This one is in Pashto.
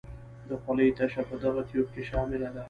د خولې تشه په دغه تیوپ کې شامله ده.